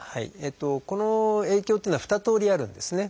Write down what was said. この影響っていうのは二通りあるんですね。